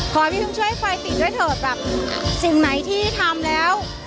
ขอพี่พึ่งช่วยให้ไฟติดด้วยเถอะแบบสิ่งไหนที่ทำแล้ว